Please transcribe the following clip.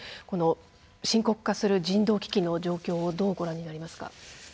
この深刻化する人道危機の状況をどうご覧になりますか？